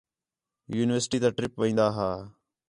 یونیورسٹی تا ٹِرپ وین٘دا ہا